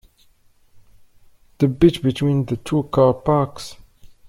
The bit between the two car parks?